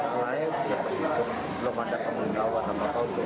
yang lain belum ada pengetahuan sama pun